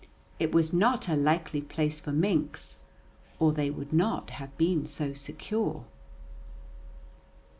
It was not a likely place for minks, or they would not have been so secure.